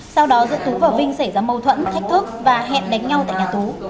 sau đó giữa tú và vinh xảy ra mâu thuẫn thách thức và hẹn đánh nhau tại nhà tú